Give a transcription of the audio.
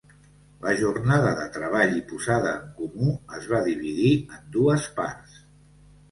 La jornada de treball i posada en comú es va dividir en dues parts.